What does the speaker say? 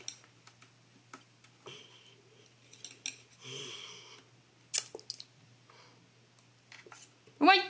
うまい！